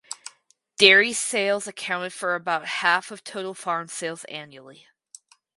Dairy sales accounted for about half of total farm sales annually.